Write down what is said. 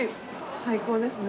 最高ですね。